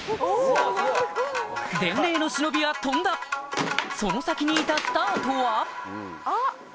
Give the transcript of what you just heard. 伝令の忍びは飛んだその先にいたスターとは？